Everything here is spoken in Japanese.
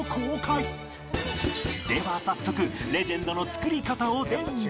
では早速レジェンドの作り方を伝授